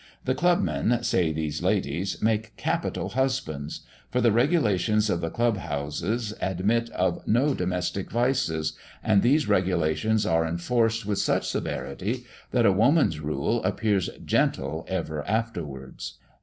The club men, say these ladies, make capital husbands; for the regulations of the club houses admit of no domestic vices, and these regulations are enforced with such severity, that a woman's rule appears gentle ever afterwards.